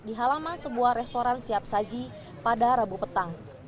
di halaman sebuah restoran siap saji pada rabu petang